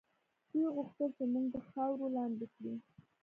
دوی غوښتل چې موږ د خاورو لاندې کړي.